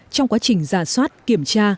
trong quá trình giả soát kiểm tra